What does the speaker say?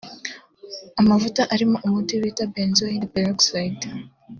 Amavuta arimo umuti bita“benzoyl peroxide”